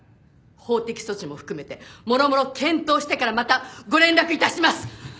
法的措置も含めてもろもろ検討してからまたご連絡致します！